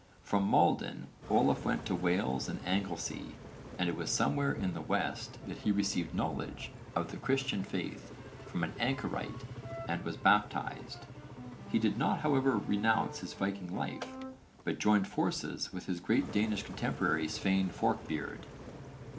From Maldon Olaf went to Wales and Anglesey and it was somewhere in the west that he received knowledge of the Christian faith from an anchorite and was baptised. He did not however renounce his Viking life, but joined forces with his great Danish contemporary Svein Forkbeard.